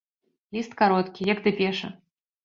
Ліст кароткі, як дэпеша.